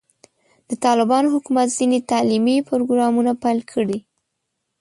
د طالبانو حکومت ځینې تعلیمي پروګرامونه پیل کړي.